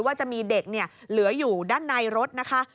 ว่าจะมีเด็กเหลืออยู่ด้านในรถนะคะ